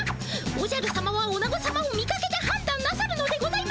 おじゃるさまはおなごさまを見かけではんだんなさるのでございますか！